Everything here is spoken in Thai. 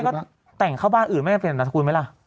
แม่ก็แต่งเข้าบ้านอื่นแม่ก็เป็นอันดับสกุลไหมล่ะ